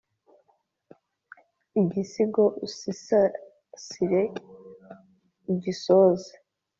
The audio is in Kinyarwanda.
igisigo ugisasire ugisoze